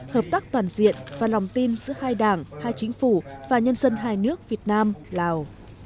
hợp tác toàn diện và lòng tin giữa hai đảng hai chính phủ và nhân dân hai nước việt nam lào